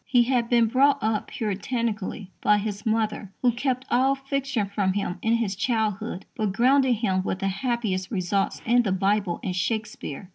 He had been brought up Puritanically by his mother, who kept all fiction from him in his childhood, but grounded him with the happiest results in the Bible and Shakespeare.